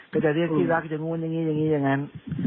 ก็จะเรียกที่รักอย่างงี้อย่างงี้อย่างงั้น